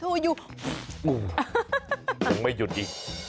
ถูอยู่โอ้วผมไม่หยุดดิ